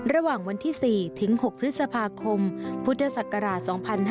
ระหว่างวันที่๔ถึง๖พฤษภาคมพุทธศักราช๒๕๕๙